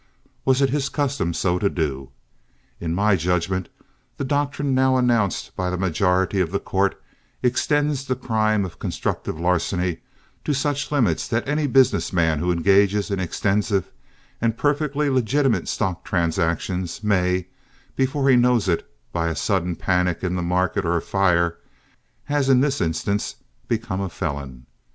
Was it his custom so to do? In my judgment the doctrine now announced by the majority of the court extends the crime of constructive larceny to such limits that any business man who engages in extensive and perfectly legitimate stock transactions may, before he knows it, by a sudden panic in the market or a fire, as in this instance, become a felon.